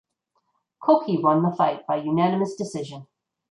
Koki won the fight by unanimous decision.